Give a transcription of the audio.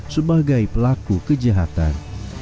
sebagai pelaku kejahatan